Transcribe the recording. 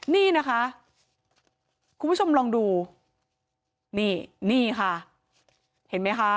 นี่นะคะคุณผู้ชมลองดูนี่นี่ค่ะเห็นไหมคะ